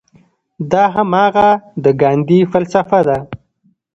دا هماغه د ګاندي فلسفه ده.